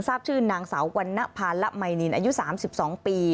ทราบชื่อนางสาววรรณภาระมัยนินอายุ๓๒ปี